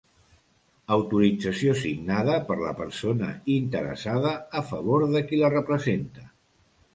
Autorització signada per la persona interessada, a favor de qui la representa.